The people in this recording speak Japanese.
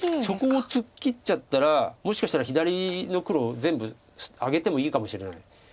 そこを突っ切っちゃったらもしかしたら左の黒を全部あげてもいいかもしれない。